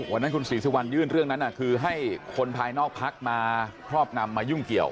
วันนั้นคุณศรีสุวรรณยื่นเรื่องนั้นคือให้คนภายนอกพักมาครอบงำมายุ่งเกี่ยว